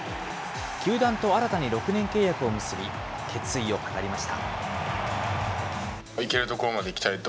球団と新たに６年契約を結び、決意を語りました。